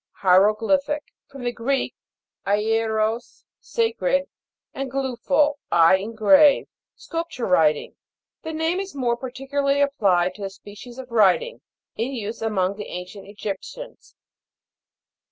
HIEROGLY'PHIC. From the Greek, ieros, sacred, and gluphd, I en grave. Sculpture writing. The name is more peculiarly applied to a species of writing, in use among the ancient Egyptians.